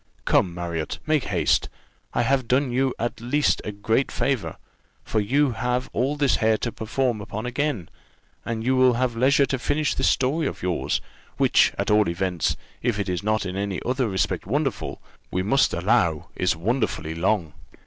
"Come, Marriott, make haste. I have done you at least a great favour, for you have all this hair to perform upon again, and you will have leisure to finish this story of yours which, at all events, if it is not in any other respect wonderful, we must allow is wonderfully long."